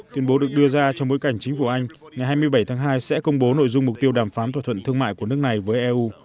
tuyên bố được đưa ra trong bối cảnh chính phủ anh ngày hai mươi bảy tháng hai sẽ công bố nội dung mục tiêu đàm phán thỏa thuận thương mại của nước này với eu